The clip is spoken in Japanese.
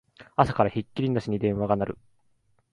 朝からひっきりなしに電話が鳴る